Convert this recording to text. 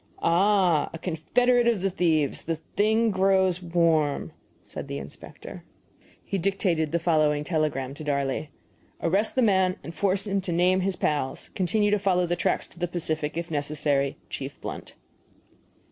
"Aha! a confederate of the thieves! The thing, grows warm," said the inspector. He dictated the following telegram to Darley: Arrest the man and force him to name his pals. Continue to follow the tracks to the Pacific, if necessary. Chief BLUNT.